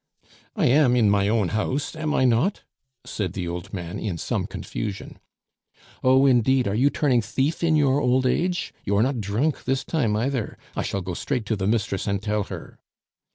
"I am in my own house, am I not?" said the old man, in some confusion. "Oh, indeed, are you turning thief in your old age? You are not drunk this time either I shall go straight to the mistress and tell her."